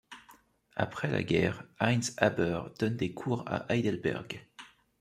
Après la guerre, Heinz Haber donne des cours à Heidelberg.